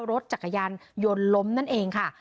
รถจักรยานยนต์ล้มนั่นเองค่ะ